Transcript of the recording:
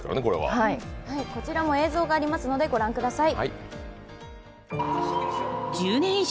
映像がありますので御覧ください。